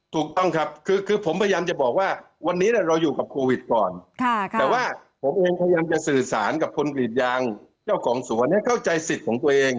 ถูกต้องครับคือผมพยายามจะบอกว่าวันนี้เราอยู่กับโควิดก่อนแต่ว่าผมเองพยายามจะสื่อสารกับคนกรีดยางเจ้าของสวนให้เข้าใจสิทธิ์ของตัวเอง